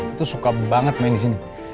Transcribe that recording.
itu suka banget main di sini